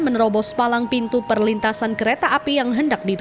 menerobos palang pintu perlintasan kereta api bundaran dolok jalan ahmad yani surabaya